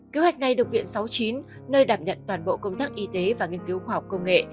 kế hoạch này được viện sáu mươi chín nơi đảm nhận toàn bộ công tác y tế và nghiên cứu khoa học công nghệ